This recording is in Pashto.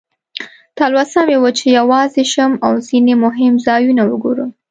تلوسه مې وه چې یوازې شم او ځینې مهم ځایونه وګورم.